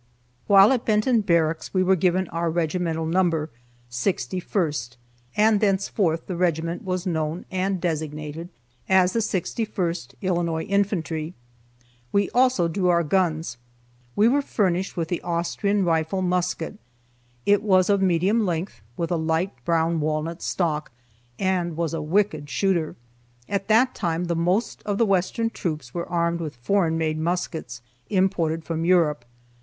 While at Benton Barracks we were given our regimental number, Sixty first and thenceforth the regiment was known and designated as the Sixty first Illinois Infantry. We also drew our guns. We were furnished with the Austrian rifle musket. It was of medium length, with a light brown walnut stock, and was a wicked shooter. At that time the most of the western troops were armed with foreign made muskets, imported from Europe.